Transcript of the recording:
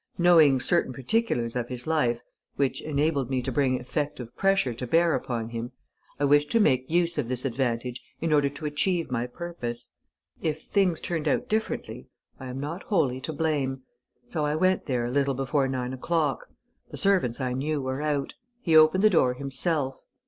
Knowing certain particulars of his life which enabled me to bring effective pressure to bear upon him, I wished to make use of this advantage in order to achieve my purpose. If things turned out differently, I am not wholly to blame.... So I went there a little before nine o'clock. The servants, I knew, were out. He opened the door himself.